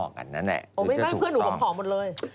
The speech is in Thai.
โอ้ไม่ได้เพื่อนหนูผ่องหมดเลย